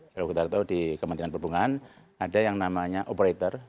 kalau kita tahu di kementerian perhubungan ada yang namanya operator